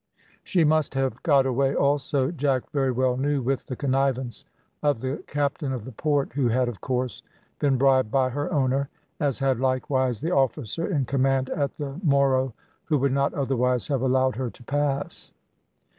She must have got away, also, Jack very well knew with the connivance of the captain of the port, who had, of course, been bribed by her owner, as had likewise the officer in command at the Moro, who would not otherwise have allowed her to pass.